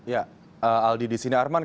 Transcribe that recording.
ya aldi di sini arman